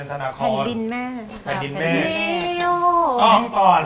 มันต้มอยู่ในนี้อยู่แล้วครับ